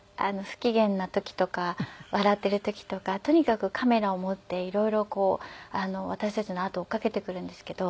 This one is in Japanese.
不機嫌な時とか笑っている時とかとにかくカメラを持って色々こう私たちのあとを追っかけてくるんですけど。